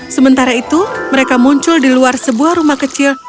sementara itu mereka muncul di luar sebuah rumah kecil